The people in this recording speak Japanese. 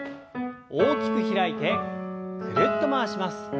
大きく開いてぐるっと回します。